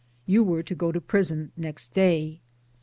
You were to go to prison next day.